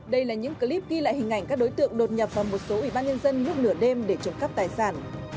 đây là những clip ghi lại hình ảnh các đối tượng đột nhập vào một số ủy ban nhân dân lúc nửa đêm để trộm cắp tài sản